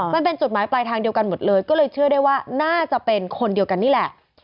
มันเป็นจุดหมายปลายทางเดียวกันหมดเลยก็เลยเชื่อได้ว่าน่าจะเป็นคนเดียวกันนี่แหละ